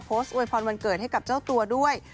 โวยพรวันเกิดให้กับเจ้าตัวด้วย